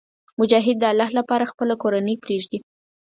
مجاهد د الله لپاره خپله کورنۍ پرېږدي.